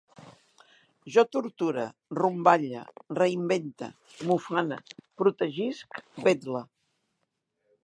Jo torture, romballe, reinvente, m'ufane, protegisc, vetle